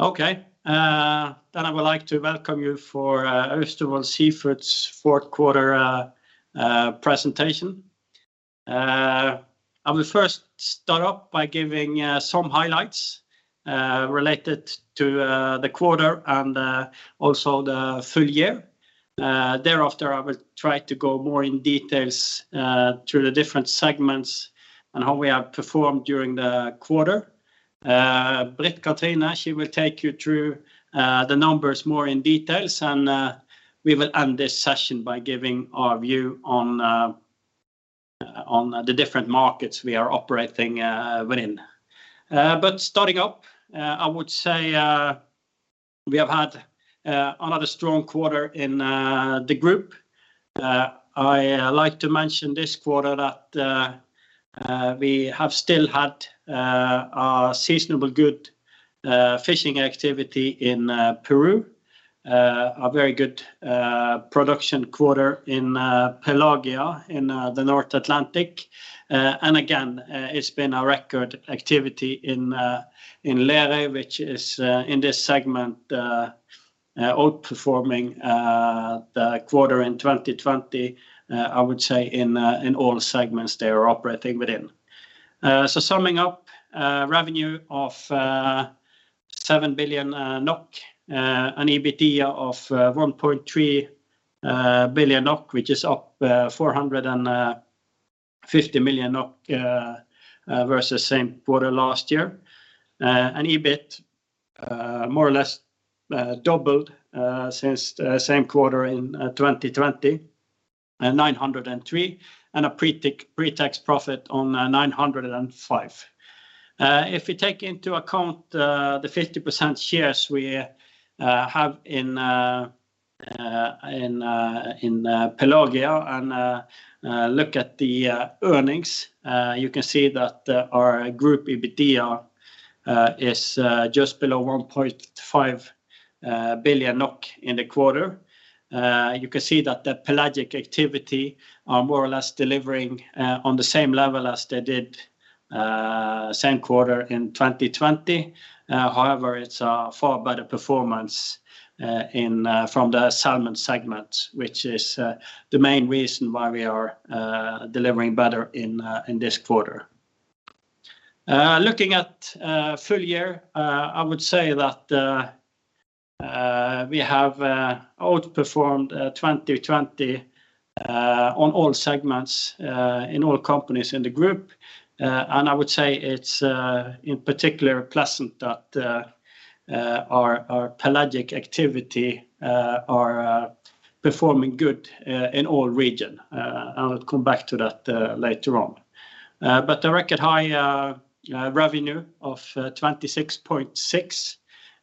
Okay. I would like to welcome you for Austevoll Seafood's fourth quarter presentation. I will first start up by giving some highlights related to the quarter and also the full year. Thereafter, I will try to go more in detail through the different segments and how we have performed during the quarter. Britt Kathrine, she will take you through the numbers more in detail, and we will end this session by giving our view on the different markets we are operating within. Starting up, I would say, we have had another strong quarter in the group. I like to mention this quarter that we have still had a seasonally good fishing activity in Peru. A very good production quarter in Pelagia in the North Atlantic. Again, it's been a record activity in Lerøy, which is in this segment outperforming the quarter in 2020. I would say in all segments they are operating within. Summing up, revenue of 7 billion NOK and EBITDA of 1.3 billion NOK, which is up 450 million NOK versus same quarter last year. EBIT more or less doubled since the same quarter in 2020, 903 million, and a pre-tax profit of 905 million. If you take into account the 50% shares we have in Pelagia and look at the earnings, you can see that our group EBITDA is just below 1.5 billion NOK in the quarter. You can see that the pelagic activity are more or less delivering on the same level as they did same quarter in 2020. However, it's a far better performance from the salmon segment, which is the main reason why we are delivering better in this quarter. Looking at full year, I would say that we have outperformed 2020 on all segments in all companies in the group. I would say it's in particular pleasant that our pelagic activity are performing good in all regions. I'll come back to that later on. A record high revenue of 26.6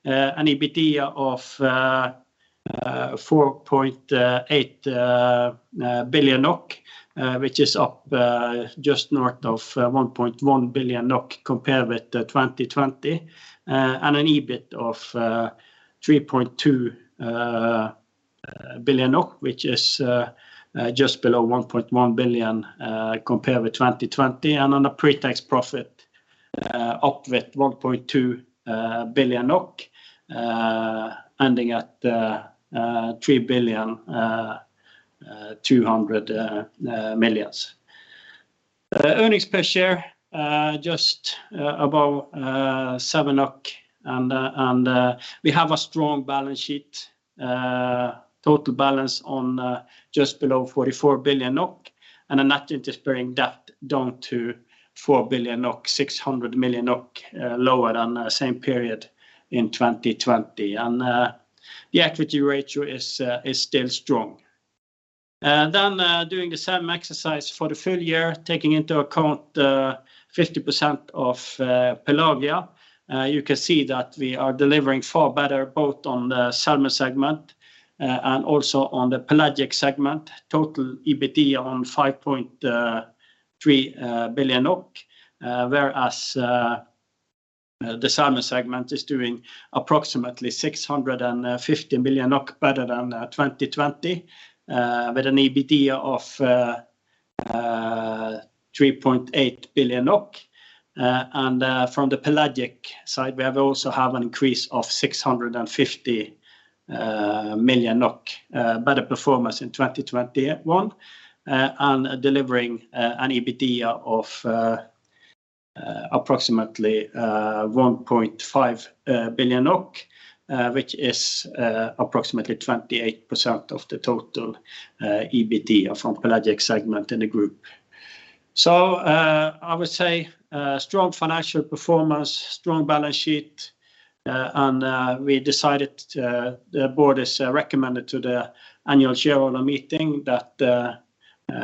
billion and EBITDA of 4.8 billion NOK, which is up just north of 1.1 billion NOK compared with 2020. An EBIT of 3.2 billion NOK, which is just below 1.1 billion compared with 2020. On a pre-tax profit up with 1.2 billion, ending at 3.2 billion. Earnings per share just above 7. We have a strong balance sheet. Total balance on just below 44 billion NOK, and a net interest-bearing debt down to 4 billion NOK, 600 million NOK lower than same period in 2020. The equity ratio is still strong. Doing the same exercise for the full year, taking into account 50% of Pelagia, you can see that we are delivering far better both on the Salmon segment and also on the Pelagic segment. Total EBITDA on 5.3 billion, whereas the Salmon segment is doing approximately 650 million better than 2020, with an EBITDA of 3.8 billion NOK. From the pelagic side, we have also an increase of 650 million NOK better performance in 2021 and delivering an EBITDA of approximately 1.5 billion, which is approximately 28% of the total EBITDA from pelagic segment in the group. I would say strong financial performance, strong balance sheet, and we decided the board has recommended to the annual shareholder meeting that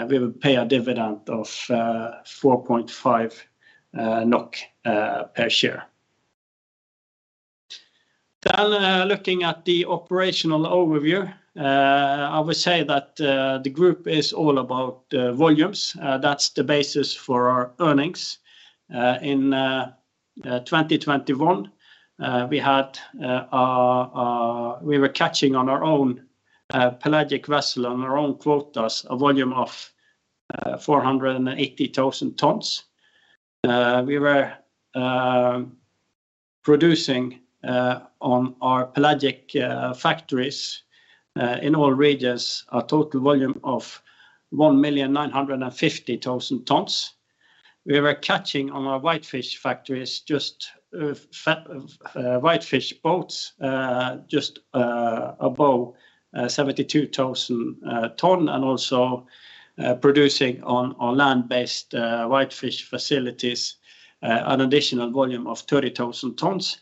we will pay a dividend of 4.5 NOK per share. Looking at the operational overview, I would say that the group is all about volumes. That's the basis for our earnings. In 2021, we were catching on our own pelagic vessel on our own quotas a volume of 480,000 tons. We were producing on our pelagic factories in all regions a total volume of 1,950,000 tons. We were catching on our whitefish boats just above 72,000 tons, and also producing on our land-based whitefish facilities an additional volume of 30,000 tons,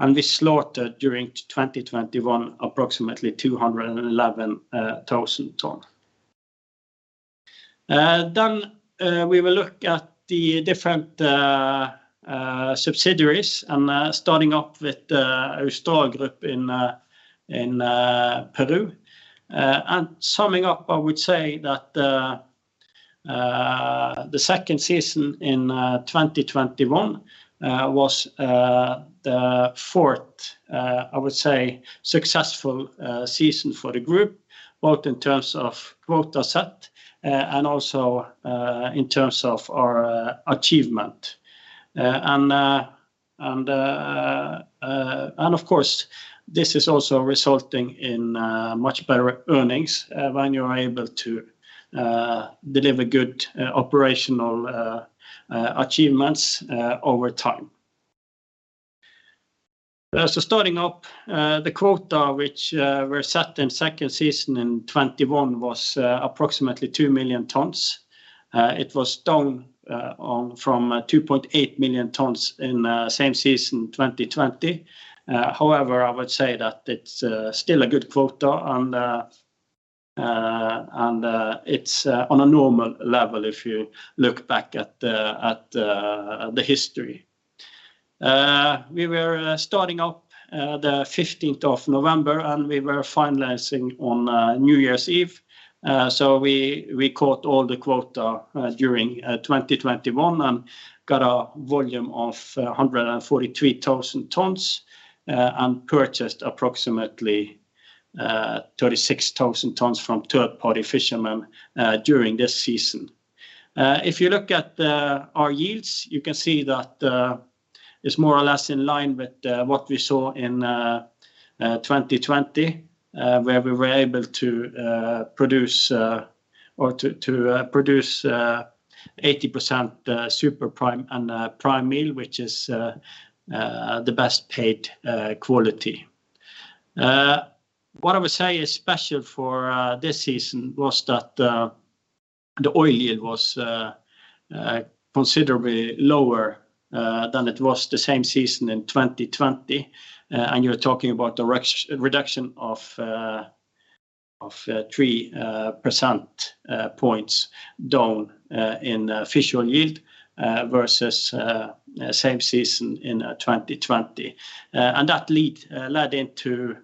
and we slaughtered during 2021 approximately 211,000 tons. We will look at the different subsidiaries, and starting up with Austral Group in Peru. Summing up, I would say that the second season in 2021 was the fourth successful season for the group, both in terms of quota set and also in terms of our achievement. Of course, this is also resulting in much better earnings when you're able to deliver good operational achievements over time. Starting up, the quota which were set in second season in 2021 was approximately 2 million tons. It was down from 2.8 million tons in same season 2020. However, I would say that it's still a good quota, and it's on a normal level if you look back at the history. We were starting up the 15th of November, and we were finalizing on New Year's Eve. We caught all the quota during 2021 and got a volume of 143,000 tons and purchased approximately 36,000 tons from third-party fishermen during this season. If you look at our yields, you can see that it's more or less in line with what we saw in 2020, where we were able to produce 80% super prime and prime meal, which is the best paid quality. What I would say is special for this season was that the oil yield was considerably lower than it was the same season in 2020, and you're talking about a reduction of 3% points down in fish oil yield versus same season in 2020. That led into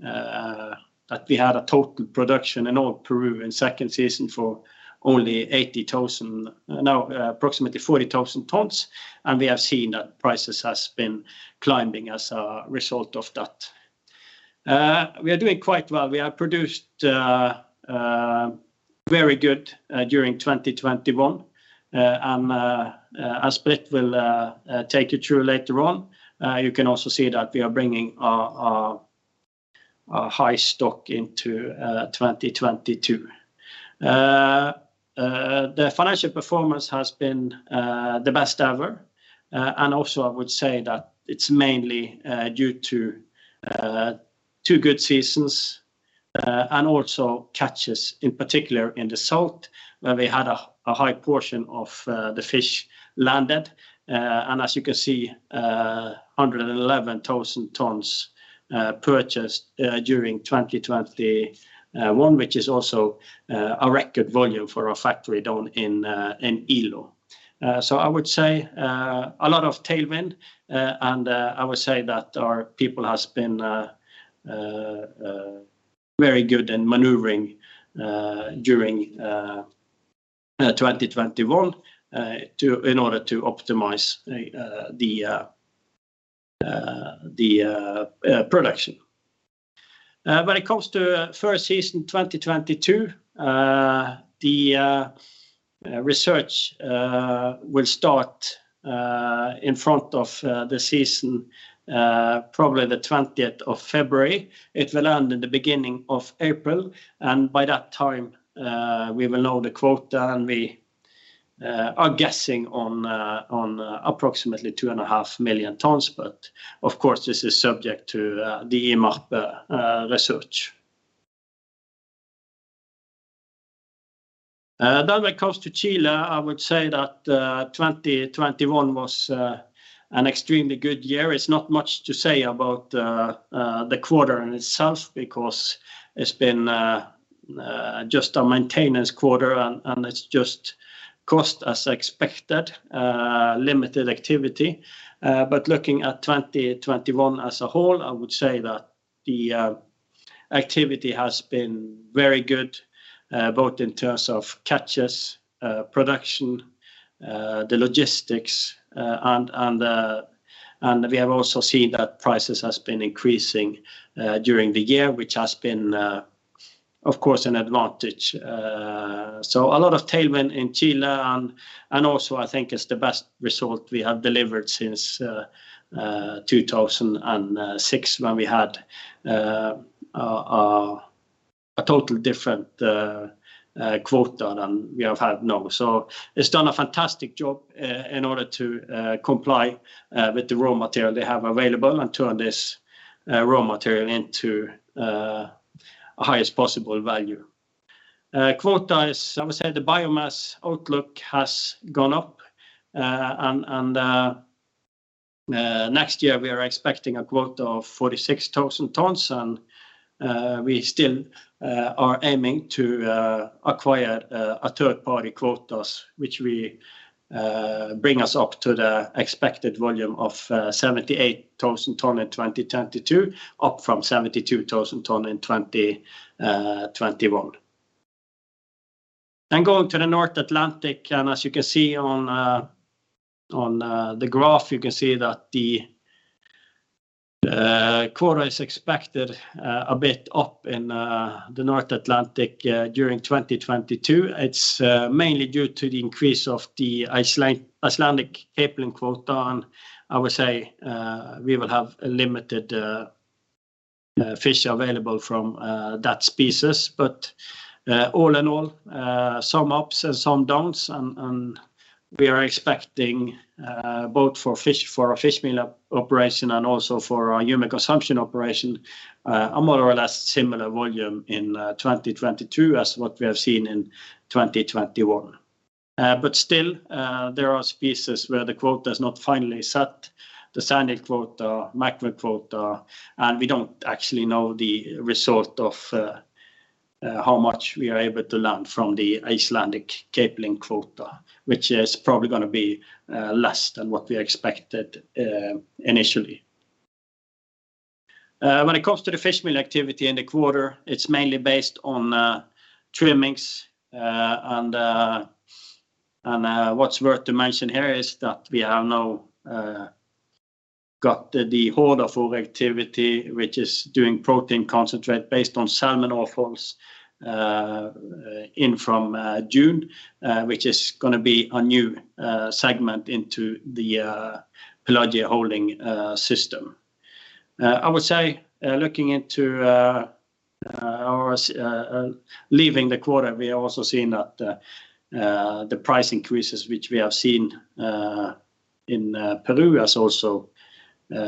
that we had a total production in all of Peru in second season for only approximately 40,000 tons, and we have seen that prices has been climbing as a result of that. We are doing quite well. We have produced very good during 2021, and as Britt will take you through later on, you can also see that we are bringing our high stock into 2022. The financial performance has been the best ever, and also I would say that it's mainly due to two good seasons and also catches in particular in the south, where we had a high portion of the fish landed, and as you can see, 111,000 tons purchased during 2021, which is also a record volume for our factory down in Ilo. I would say a lot of tailwind, and I would say that our people has been very good in maneuvering during 2021 to in order to optimize the production. When it comes to first season 2022, the research will start in front of the season, probably the 20th of February. It will end in the beginning of April, and by that time, we will know the quota, and we are guessing on approximately 2.5 million tons, but of course, this is subject to the IMARPE research. When it comes to Chile, I would say that 2021 was an extremely good year. It's not much to say about the quarter in itself, because it's been just a maintenance quarter, and it's just cost as expected, limited activity. Looking at 2021 as a whole, I would say that the activity has been very good, both in terms of catches, production, the logistics, and we have also seen that prices has been increasing during the year, which has been, of course, an advantage. A lot of tailwind in Chile and also I think it's the best result we have delivered since 2006 when we had a total different quota than we have had now. It's done a fantastic job in order to comply with the raw material they have available and turn this raw material into highest possible value. Quota is, I would say, the biomass outlook has gone up. Next year we are expecting a quota of 46,000 tons and we still are aiming to acquire a third-party quotas which we bring us up to the expected volume of 78,000 tons in 2022, up from 72,000 tons in 2021. Going to the North Atlantic, and as you can see on the graph, you can see that the quota is expected a bit up in the North Atlantic during 2022. It's mainly due to the increase of the Icelandic capelin quota, and I would say we will have a limited fish available from that species. All in all, some ups and some downs and we are expecting both for fish, for our fish meal operation and also for our human consumption operation, a more or less similar volume in 2022 as what we have seen in 2021. Still, there are species where the quota has not finally set. The sandeel quota, mackerel quota, and we don't actually know the result of how much we are able to land from the Icelandic capelin quota, which is probably gonna be less than what we expected initially. When it comes to the fish meal activity in the quarter, it's mainly based on trimmings and what's worth to mention here is that we have now got the Hordafor activity, which is doing protein concentrate based on salmon offals in from June, which is gonna be a new segment into the Pelagia Holding system. I would say looking into leaving the quarter, we are also seeing that the price increases which we have seen in Peru has also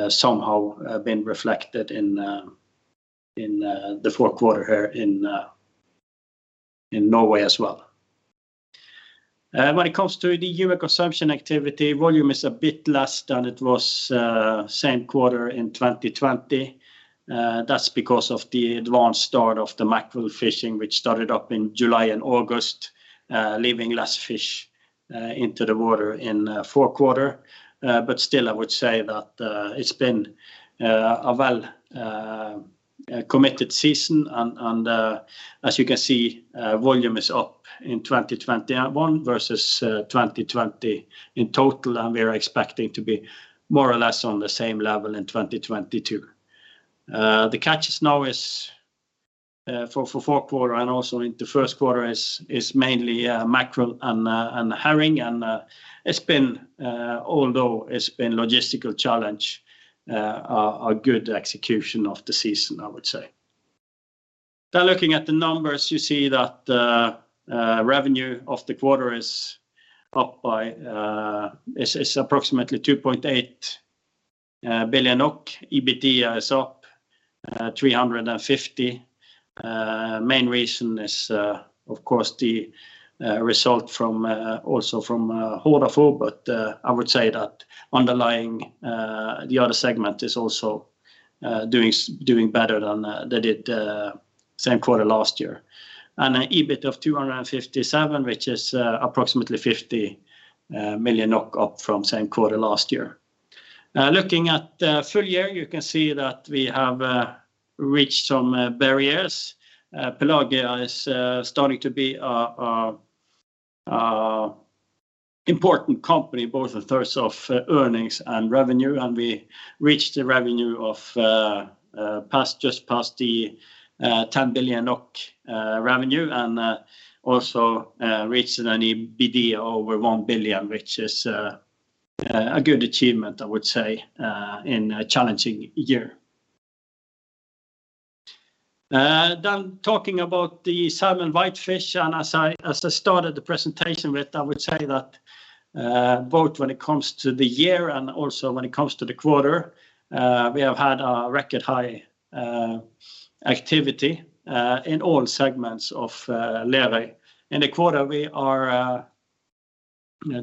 somehow been reflected in the fourth quarter here in Norway as well. When it comes to the human consumption activity, volume is a bit less than it was in the same quarter in 2020. That's because of the advanced start of the mackerel fishing which started up in July and August, leaving less fish into the water in fourth quarter. Still, I would say that it's been a well committed season and, as you can see, volume is up in 2021 versus 2020 in total, and we are expecting to be more or less on the same level in 2022. The catches now is for fourth quarter and also into first quarter is mainly mackerel and herring and it's been, although it's been logistical challenge, a good execution of the season, I would say. Now looking at the numbers, you see that revenue of the quarter is up by approximately 2.8 billion. EBITDA is up 350 million. Main reason is of course the result from also from Hordafor. I would say that underlying the other segment is also doing better than they did same quarter last year. An EBIT of 257 million, which is approximately 50 million NOK up from same quarter last year. Looking at full year, you can see that we have reached some barriers. Pelagia is starting to be an important company both in terms of earnings and revenue, and we reached the revenue of just past the 10 billion NOK revenue. Also reached an EBITDA over 1 billion, which is a good achievement, I would say, in a challenging year. Talking about the salmon whitefish, and as I started the presentation with, I would say that, both when it comes to the year and also when it comes to the quarter, we have had a record high activity in all segments of Lerøy. In the quarter, we are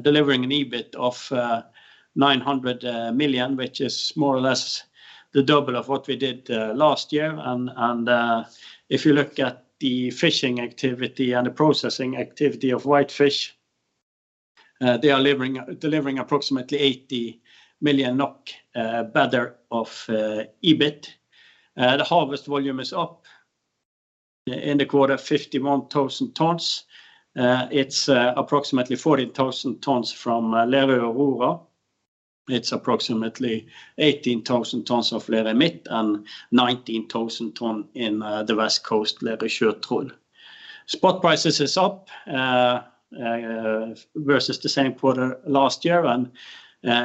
delivering an EBIT of 900 million, which is more or less the double of what we did last year. If you look at the fishing activity and the processing activity of whitefish, they are delivering approximately 80 million NOK better EBIT. The harvest volume is up in the quarter 51,000 tons. It's approximately 40,000 tons from Lerøy Aurora. It's approximately 18,000 tons of Lerøy Midt and 19,000 tons in the West Coast Lerøy Sjøtroll. Spot prices is up versus the same quarter last year.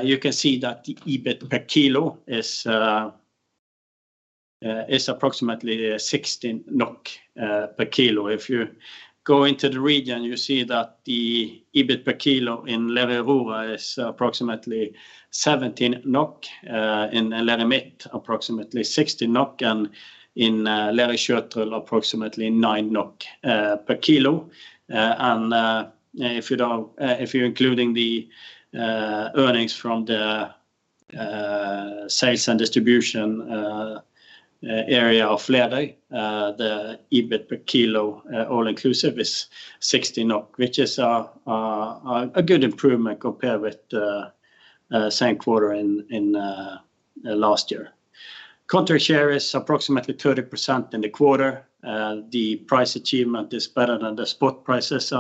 You can see that the EBIT per kilo is approximately 16 NOK per kilo. If you go into the region, you see that the EBIT per kilo in Lerøy Aurora is approximately 17 NOK, in Lerøy Midt approximately 16 NOK, and in Lerøy Sjøtroll approximately NOK 9 per kilo. If you're including the earnings from the sales and distribution area of Lerøy, the EBIT per kilo all inclusive is 16, which is a good improvement compared with same quarter in last year. Contract share is approximately 30% in the quarter. The price achievement is better than the spot prices.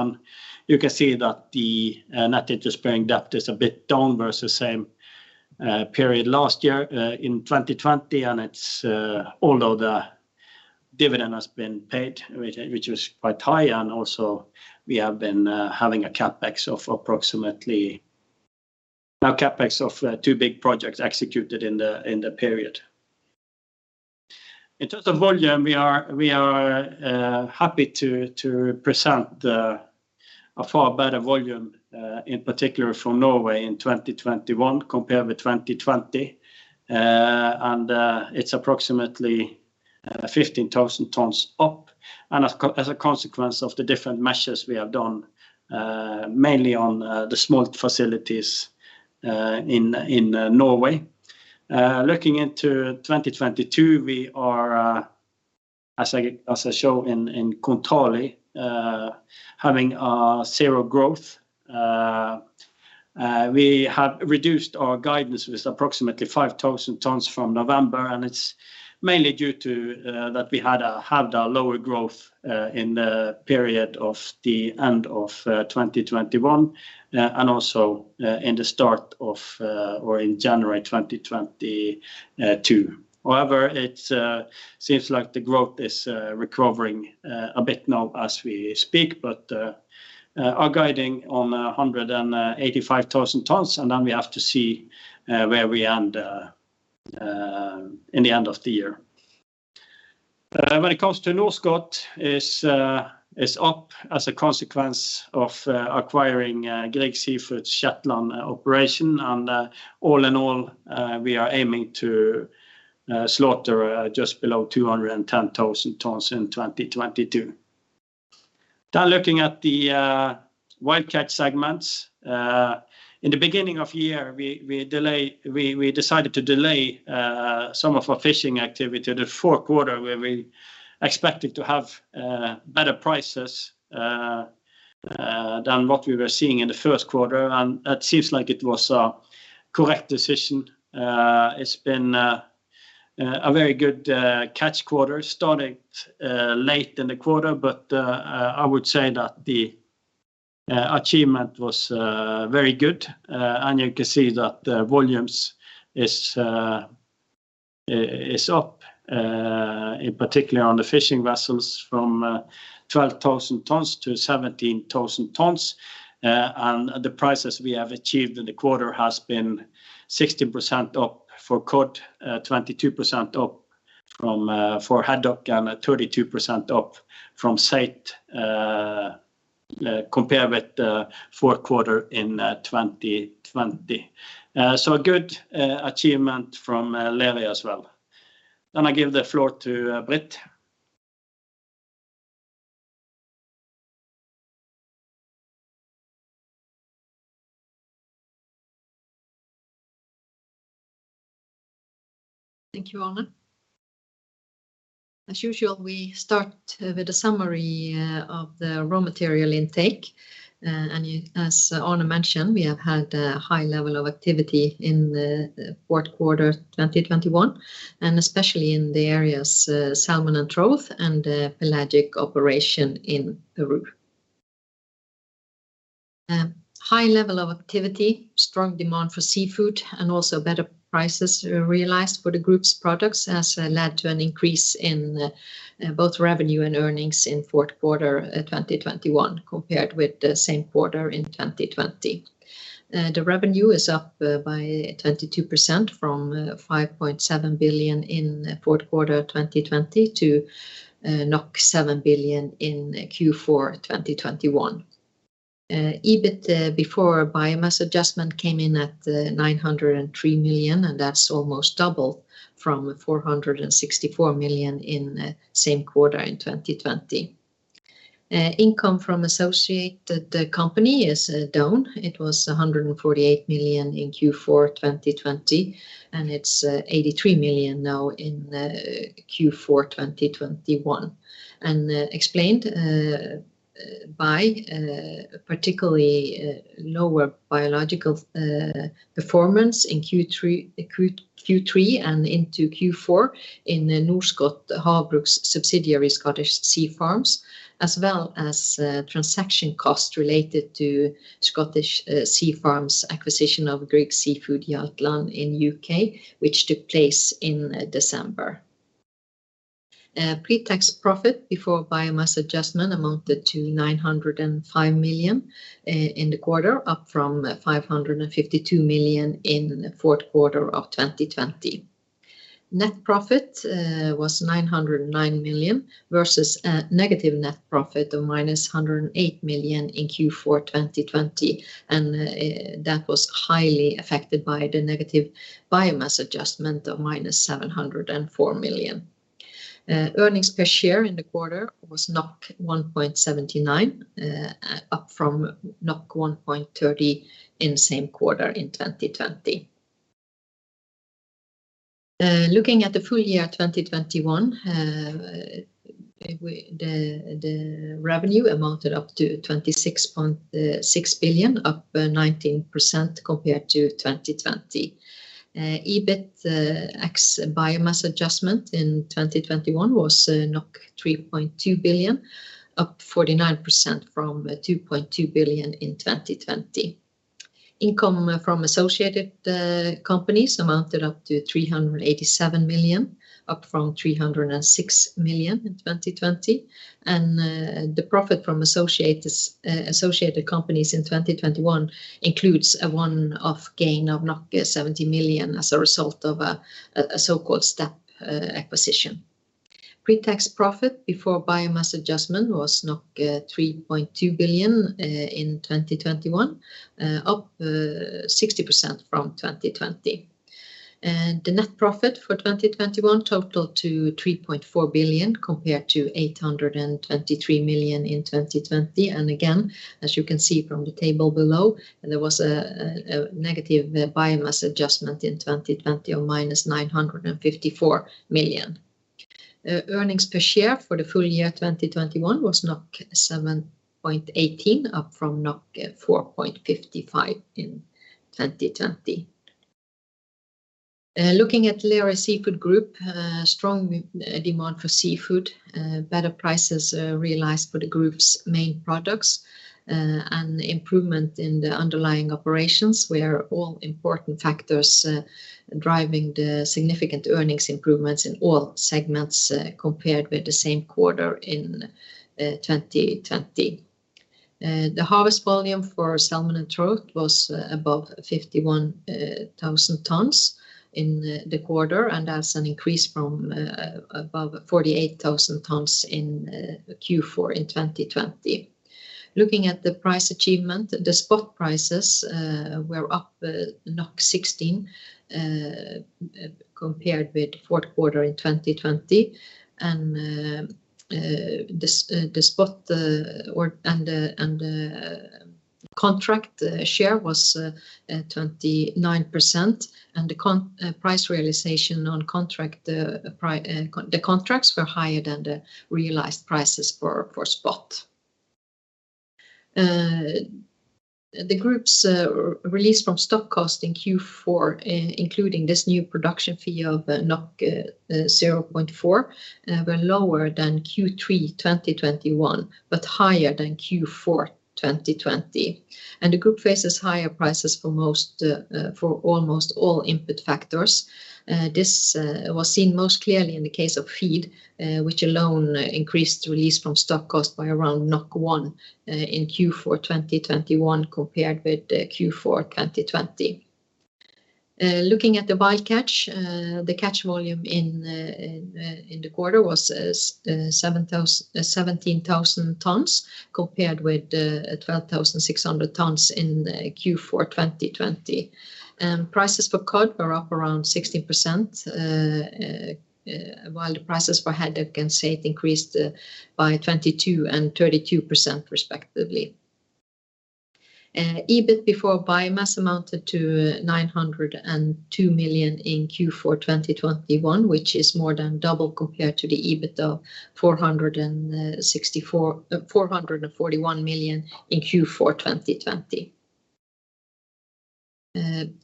You can see that the net interest-bearing debt is a bit down versus same period last year in 2020. It's although the dividend has been paid, which was quite high, and also we have been having CapEx of approximately two big projects executed in the period. In terms of volume, we are happy to present a far better volume in particular from Norway in 2021 compared with 2020. It's approximately 15,000 tons up, and as a consequence of the different measures we have done mainly on the smolt facilities in Norway. Looking into 2022, we are as I show in Kontali having zero growth. We have reduced our guidance with approximately 5,000 tons from November, and it's mainly due to that we had a lower growth in the period of the end of 2021 and also in January 2022. However, it seems like the growth is recovering a bit now as we speak, but are guiding on 185,000 tons, and then we have to see where we end in the end of the year. When it comes to Norskott, it is up as a consequence of acquiring Grieg Seafood Shetland operation. All in all, we are aiming to slaughter just below 210,000 tons in 2022. Looking at the wild catch segments. In the beginning of year, we decided to delay some of our fishing activity to the fourth quarter where we expected to have better prices than what we were seeing in the first quarter. It seems like it was a correct decision. It's been a very good catch quarter. Started late in the quarter, but I would say that the achievement was very good. You can see that the volumes is up in particular on the fishing vessels from 12,000 tons to 17,000 tons. The prices we have achieved in the quarter has been 16% up for cod, 22% up for haddock, and 32% up for saithe compared with the fourth quarter in 2020. A good achievement from Lerøy as well. I give the floor to Britt. Thank you, Arne. As usual, we start with a summary of the raw material intake. As Arne mentioned, we have had a high level of activity in the fourth quarter 2021, and especially in the areas salmon and trout and the pelagic operation in Peru. High level of activity, strong demand for seafood, and also better prices realized for the group's products has led to an increase in both revenue and earnings in fourth quarter 2021 compared with the same quarter in 2020. The revenue is up by 22% from 5.7 billion in fourth quarter 2020 to 7 billion in Q4 2021. EBIT before biomass adjustment came in at 903 million, and that's almost double from 464 million in same quarter in 2020. Income from associated company is down. It was 148 million in Q4 2020, and it's 83 million now in Q4 2021, explained by particularly lower biological performance in Q3 and into Q4 in the Norskott Havbruk's subsidiary Scottish Sea Farms, as well as transaction costs related to Scottish Sea Farms' acquisition of Grieg Seafood Shetland in the U.K., which took place in December. Pre-tax profit before biomass adjustment amounted to 905 million in the quarter, up from 552 million in the fourth quarter of 2020. Net profit was 909 million versus a negative net profit of -108 million in Q4 2020, and that was highly affected by the negative biomass adjustment of -704 million. Earnings per share in the quarter was 1.79 up from 1.30 in the same quarter in 2020. Looking at the full year 2021, the revenue amounted up to 26.6 billion, up 19% compared to 2020. EBIT ex biomass adjustment in 2021 was 3.2 billion, up 49% from 2.2 billion in 2020. Income from associated companies amounted up to 387 million, up from 306 million in 2020, and the profit from associates, associated companies in 2021 includes a one-off gain of 70 million as a result of a so-called step acquisition. Pre-tax profit before biomass adjustment was 3.2 billion in 2021, up 60% from 2020. The net profit for 2021 totaled to 3.4 billion compared to 823 million in 2020. Again, as you can see from the table below, there was a negative biomass adjustment in 2020 of -954 million. Earnings per share for the full year 2021 was 7.18, up from 4.55 in 2020. Looking at Lerøy Seafood Group, strong demand for seafood, better prices realized for the group's main products, and improvement in the underlying operations were all important factors driving the significant earnings improvements in all segments compared with the same quarter in 2020. The harvest volume for salmon and trout was above 51,000 tons in the quarter, and that's an increase from above 48,000 tons in Q4 in 2020. Looking at the price achievement, the spot prices were up 16 compared with fourth quarter in 2020. The spot or contract share was 29%, and the price realization on contracts were higher than the realized prices for spot. The group's release from stock cost in Q4 including this new production fee of 0.4 were lower than Q3 2021 but higher than Q4 2020. The group faces higher prices for almost all input factors. This was seen most clearly in the case of feed, which alone increased release from stock cost by around 1 in Q4 2021 compared with Q4 2020. Looking at the wild catch, the catch volume in the quarter was 17,000 tons compared with 12,600 tons in Q4 2020. Prices for cod were up around 16%, while the prices for haddock and saithe increased by 22% and 32% respectively. EBIT before biomass amounted to 902 million in Q4 2021, which is more than double compared to the EBIT of NOK 441 million in Q4 2020.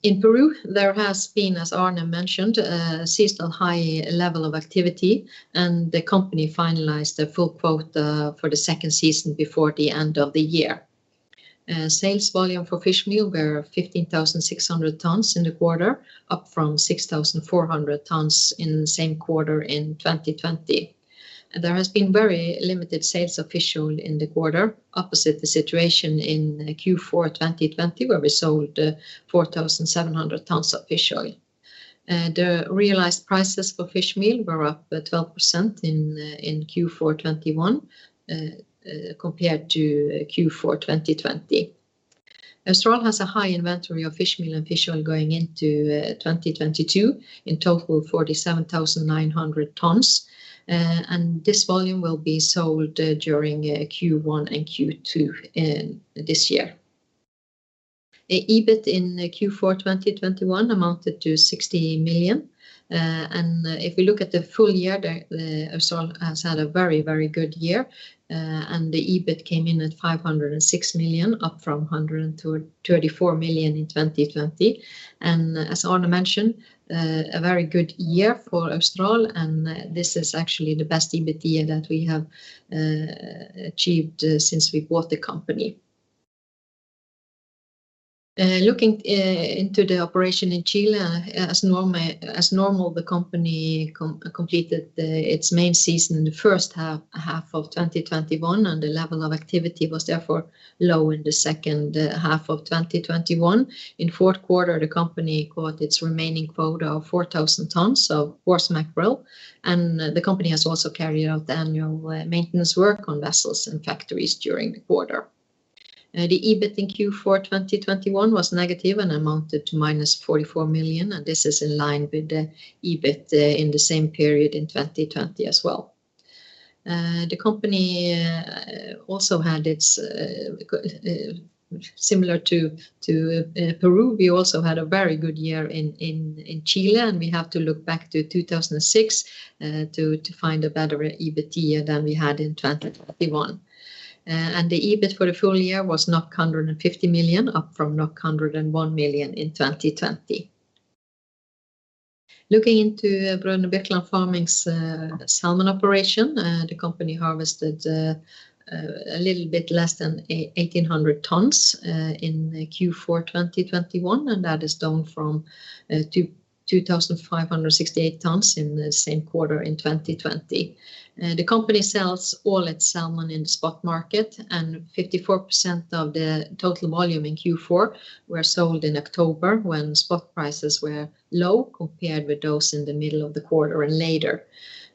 In Peru, there has been, as Arne mentioned, a seasonal high level of activity, and the company finalized the full quota for the second season before the end of the year. Sales volume for fishmeal were 15,600 tons in the quarter, up from 6,400 tons in the same quarter in 2020. There has been very limited sales of fish oil in the quarter, opposite the situation in Q4 2020, where we sold 4,700 tons of fish oil. The realized prices for fishmeal were up 12% in Q4 2021, compared to Q4 2020. Austevoll has a high inventory of fishmeal and fish oil going into 2022. In total, 47,900 tons. This volume will be sold during Q1 and Q2 in this year. EBIT in Q4 2021 amounted to 60 million. If we look at the full year, the Austevoll has had a very, very good year. The EBIT came in at 506 million, up from 134 million in 2020. As Arne mentioned, a very good year for Austevoll, and this is actually the best EBIT year that we have achieved since we bought the company. Looking into the operation in Chile, as normal the company completed its main season in the first half, half of 2021 and the level of activity was therefore low in the second half of 2021. In fourth quarter, the company caught its remaining quota of 4,000 tons of horse mackerel, and the company has also carried out the annual maintenance work on vessels and factories during the quarter. The EBIT in Q4 2021 was negative and amounted to -44 million, and this is in line with the EBIT in the same period in 2020 as well. The company also had its Similar to Peru, we also had a very good year in Chile and we have to look back to 2006 to find a better EBIT year than we had in 2021. The EBIT for the full year was 150 million, up from 101 million in 2020. Looking into Brønnøy Bjørklund Farming's salmon operation, the company harvested a little bit less than 1,800 tons in Q4 2021 and that is down from 2,568 tons in the same quarter in 2020. The company sells all its salmon in the spot market and 54% of the total volume in Q4 were sold in October when spot prices were low compared with those in the middle of the quarter and later.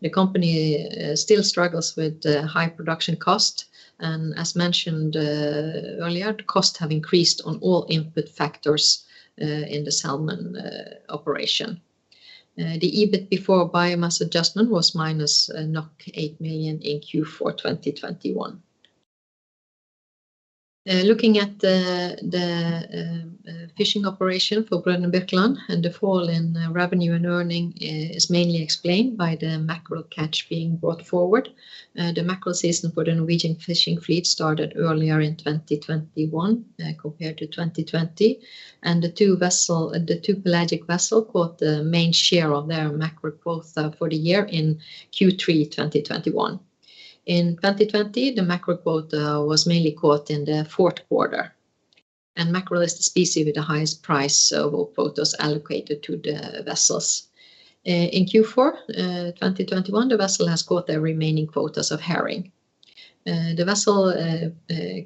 The company still struggles with the high production cost and as mentioned earlier, the costs have increased on all input factors in the salmon operation. The EBIT before biomass adjustment was -8 million in Q4 2021. Looking at the fishing operation for Brønnøy Bjørklund and the fall in revenue and earnings is mainly explained by the mackerel catch being brought forward. The mackerel season for the Norwegian fishing fleet started earlier in 2021 compared to 2020, and the two pelagic vessels caught the main share of their mackerel quota for the year in Q3 2021. In 2020, the mackerel quota was mainly caught in the fourth quarter. Mackerel is the species with the highest price of all quotas allocated to the vessels. In Q4 2021, the vessel has caught their remaining quotas of herring. The vessel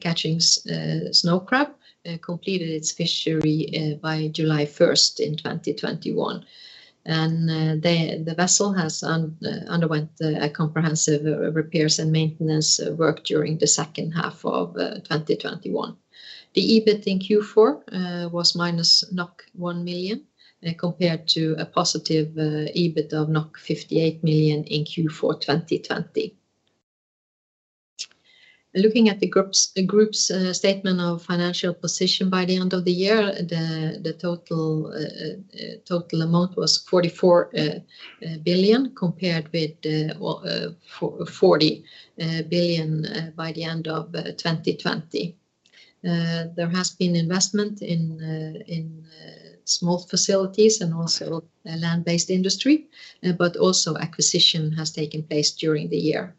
catching snow crab completed its fishery by July 1st in 2021 and the vessel underwent a comprehensive repairs and maintenance work during the second half of 2021. The EBIT in Q4 was -1 million compared to a positive EBIT of 58 million in Q4 2020. Looking at the group's statement of financial position by the end of the year, the total amount was 44 billion compared with well 40 billion by the end of 2020. There has been investment in smolt facilities and also a land-based industry, but also acquisition has taken place during the year.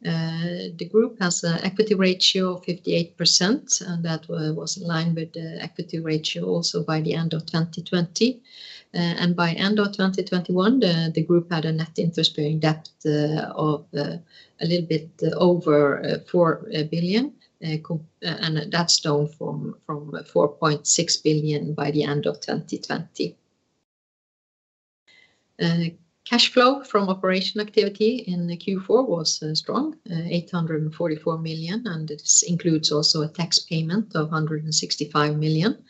The group has an equity ratio of 58% and that was in line with the equity ratio also by the end of 2020. By the end of 2021, the group had a net interest-bearing debt of a little bit over 4 billion and that's down from 4.6 billion by the end of 2020. Cash flow from operating activities in the Q4 was strong, 844 million and it includes also a tax payment of 165 million.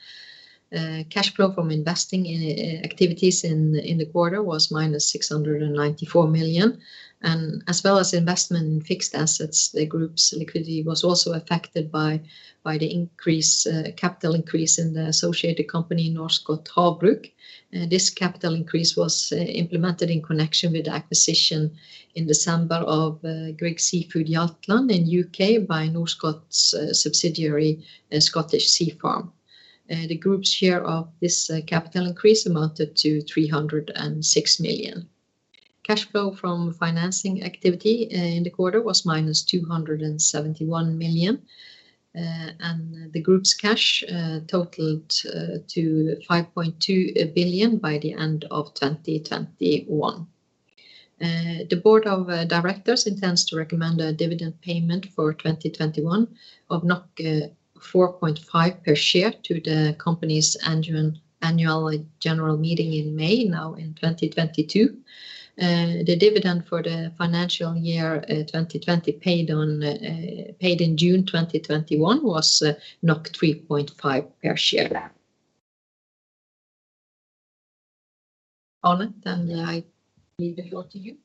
Cash flow from investing activities in the quarter was -694 million and as well as investment in fixed assets, the group's liquidity was also affected by the capital increase in the associated company Norskott Havbruk. This capital increase was implemented in connection with the acquisition in December of Grieg Seafood Hjaltland UK by Norskott's subsidiary Scottish Sea Farms. The group's share of this capital increase amounted to 306 million. Cash flow from financing activity in the quarter was -271 million, and the group's cash totaled to 5.2 billion by the end of 2021. The Board of Directors intends to recommend a dividend payment for 2021 of 4.5 per share to the company's Annual General Meeting in May 2022. The dividend for the financial year 2020 paid in June 2021 was 3.5 per share. Arne, I give the floor to you.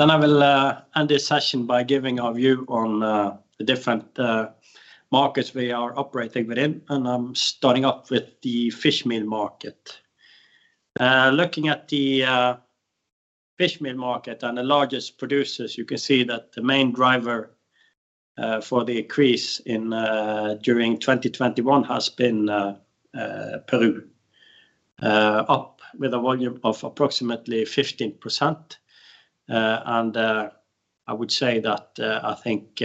I will end this session by giving our view on the different markets we are operating within and I'm starting off with the fishmeal market. Looking at the fishmeal market and the largest producers, you can see that the main driver for the increase during 2021 has been Peru. Up with a volume of approximately 15%, and I would say that I think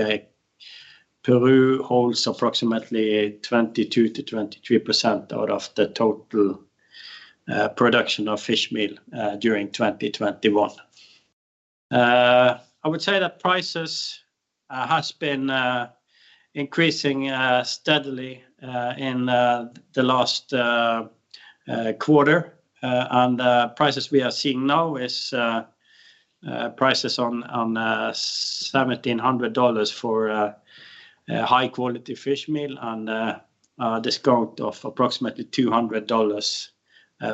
Peru holds approximately 22%-23% out of the total production of fishmeal during 2021. I would say that prices has been increasing steadily in the last quarter, and prices we are seeing now is prices on $1,700 for a high quality fishmeal and a discount of approximately $200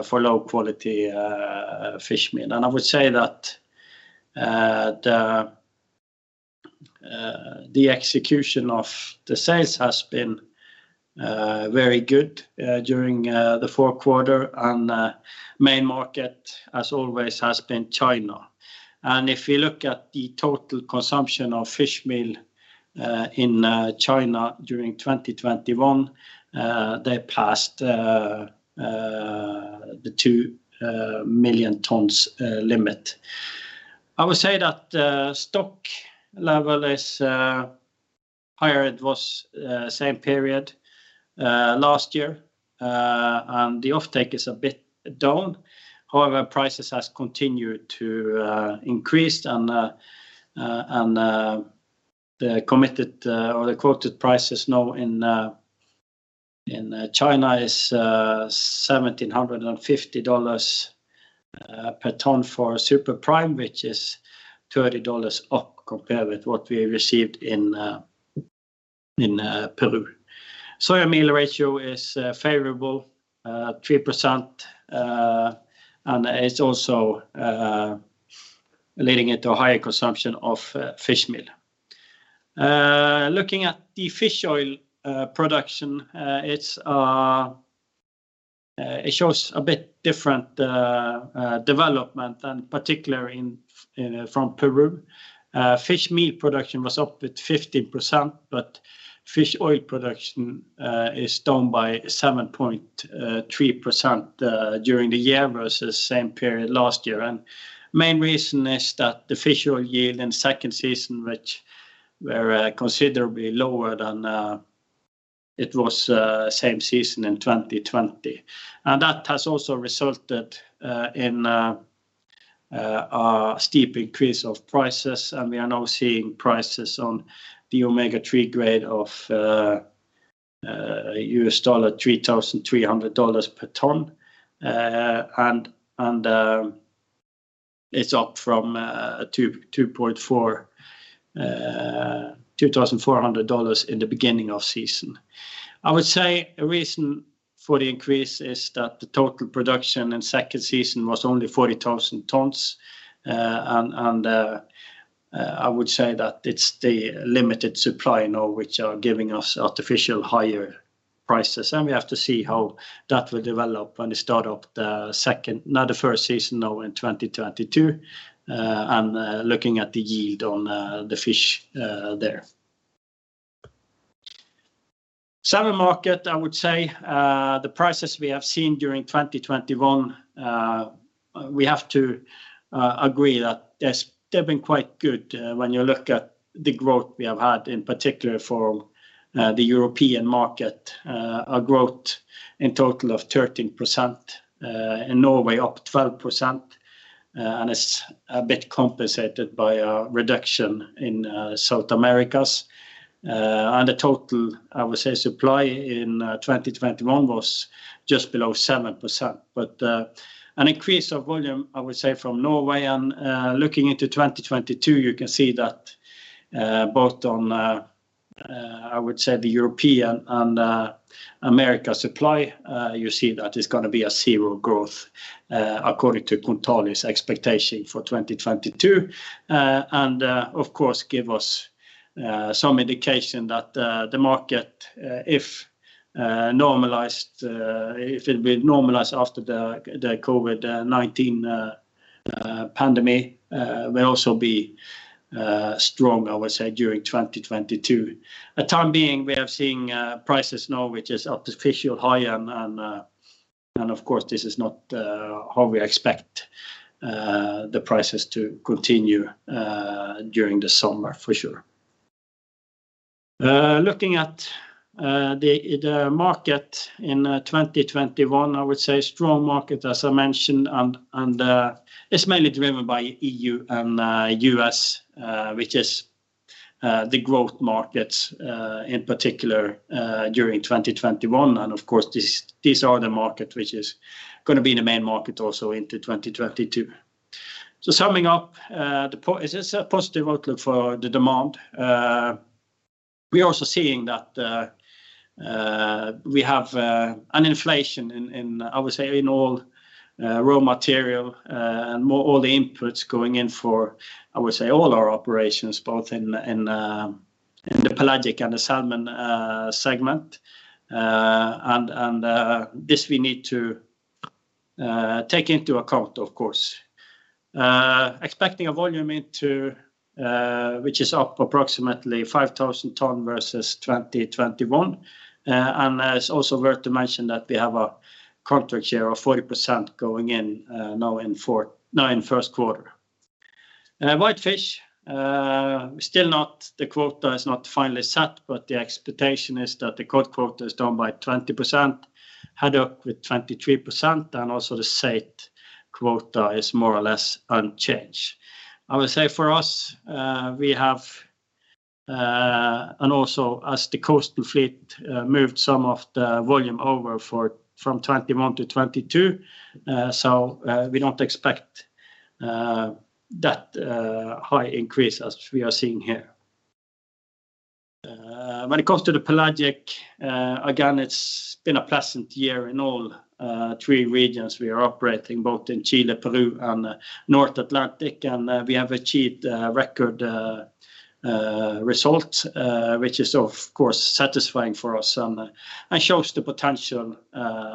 for low quality fishmeal. I would say that the execution of the sales has been very good during the fourth quarter and main market as always has been China. If you look at the total consumption of fishmeal in China during 2021, they passed the 2 million tons limit. I would say that stock level is higher than it was in the same period last year, and the offtake is a bit down. However, prices has continued to increase and the committed or the quoted prices now in China is $1,750 per ton for super prime, which is $30 up compared with what we received in Peru. Soya meal ratio is favorable, 3%, and it's also leading into a higher consumption of fish meal. Looking at the fish oil production, it shows a bit different development and particularly from Peru. Fish meal production was up at 50%, but fish oil production is down by 7.3% during the year versus same period last year. Main reason is that the fish oil yield in second season, which were considerably lower than it was same season in 2020. That has also resulted in a steep increase of prices. We are now seeing prices on the Omega-3 grade of $3,300 per ton. It's up from $2,400 in the beginning of season. I would say a reason for the increase is that the total production in second season was only 40,000 tons. I would say that it's the limited supply now which are giving us artificial higher prices, and we have to see how that will develop. Now the first season in 2022, and looking at the yield on the fish there. Salmon market, I would say, the prices we have seen during 2021, we have to agree that yes, they've been quite good, when you look at the growth we have had in particular for the European market, a growth in total of 13%, in Norway up 12%, and it's a bit compensated by a reduction in South America. The total, I would say, supply in 2021 was just below 7%. An increase of volume, I would say, from Norway and looking into 2022, you can see that both on the European and American supply, you see that it's gonna be a zero growth according to Kontali's expectation for 2022. Of course give us some indication that the market, if it would normalize after the COVID-19 pandemic, will also be strong, I would say, during 2022. At the time being, we have seen prices now, which is artificially high and, of course, this is not how we expect the prices to continue during the summer for sure. Looking at the market in 2021, I would say strong market as I mentioned and it's mainly driven by E.U. and U.S., which is the growth markets in particular during 2021. Of course these are the market which is gonna be the main market also into 2022. Summing up, this is a positive outlook for the demand. We are also seeing that we have an inflation in all raw material and more all the inputs going in for all our operations both in the pelagic and the salmon segment. This we need to take into account, of course. Expecting a volume intake which is up approximately 5,000 tons versus 2021. It's also worth to mention that we have a contract here of 40% going in now in first quarter. Whitefish, still, the quota is not finally set, but the expectation is that the cod quota is down by 20%, haddock with 23%, and also the saithe quota is more or less unchanged. I would say for us, as the coastal fleet moved some of the volume over from 2021 to 2022, so we don't expect that high increase as we are seeing here. When it comes to the pelagic, again, it's been a pleasant year in all three regions we are operating both in Chile, Peru, and North Atlantic, and we have achieved record results, which is of course satisfying for us and shows the potential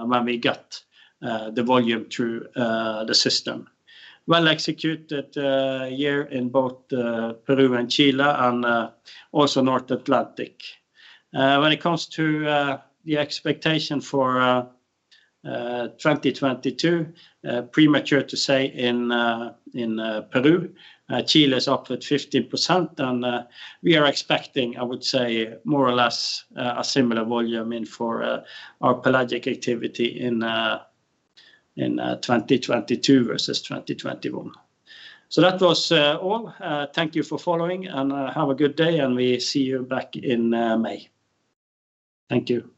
when we get the volume through the system. Well-executed year in both Peru and Chile and also North Atlantic. When it comes to the expectation for 2022, premature to say in Peru. Chile is up at 15% and we are expecting, I would say, more or less, a similar volume in for our pelagic activity in 2022 versus 2021. That was all. Thank you for following and have a good day, and we see you back in May. Thank you.